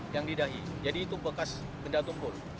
yang didahi jadi itu bekas benda tumpul